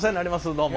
どうも。